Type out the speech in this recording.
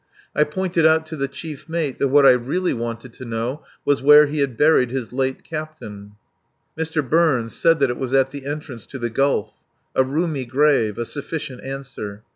I pointed out to the chief mate that what I really wanted to know was where he had buried his late captain. Mr. Burns said that it was at the entrance to the gulf. A roomy grave; a sufficient answer.